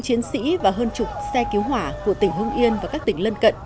chiến sĩ và hơn chục xe cứu hỏa của tỉnh hưng yên và các tỉnh lân cận